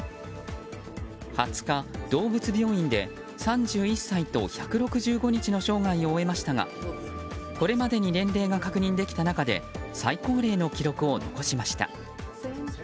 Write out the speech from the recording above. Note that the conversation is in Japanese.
２０日、動物病院で３１歳と１６５日の生涯を終えましたがこれまでに年齢が確認できた中で最高齢の記録を残しました。